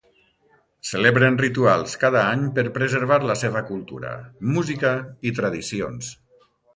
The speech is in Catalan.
Celebren rituals cada any per preservar la seva cultura, música i tradicions.